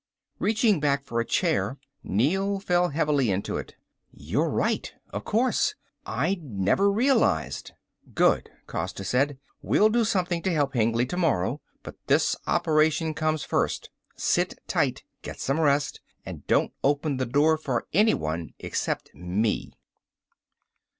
Reaching back for a chair, Neel fell heavily into it. "You're right ... of course! I never realized." "Good," Costa said. "We'll do something to help Hengly tomorrow, but this operation comes first. Sit tight. Get some rest. And don't open the door for anyone except me."